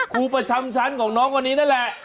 ครูประจำชั้นของน้องคนนี้นั่นแหละ